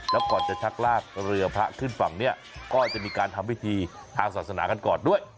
แล้วก่อนจะชักลากเรือพระขึ้นฝั่งเนี่ยก็จะมีการทำพิธีทางศาสนากันก่อนด้วย